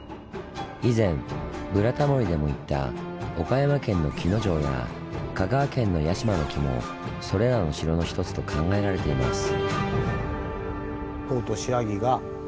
以前「ブラタモリ」でも行った岡山県の鬼ノ城や香川県の屋嶋城もそれらの城の一つと考えられています。